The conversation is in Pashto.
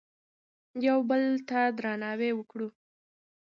یو بل ته درناوی وکړو.